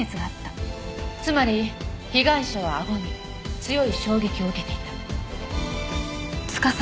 つまり被害者はあごに強い衝撃を受けていた。